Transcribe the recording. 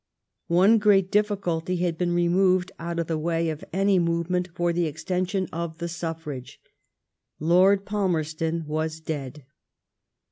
One great difficulty had been removed out of the way of any movement for the extension of the suffrage. Lord Palmerston was dead.